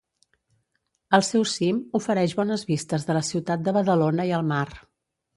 El seu cim ofereix bones vistes de la ciutat de Badalona i el mar.